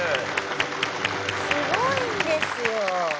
すごいんですよ。